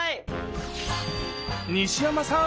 西山さん